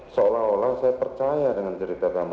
seolah olah saya percaya dengan cerita kamu